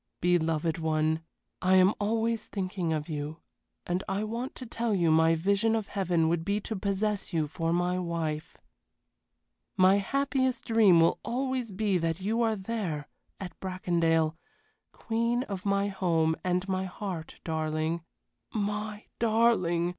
Beloved one, I am always thinking of you, and I want to tell you my vision of heaven would be to possess you for my wife. My happiest dream will always be that you are there at Bracondale queen of my home and my heart, darling. My darling!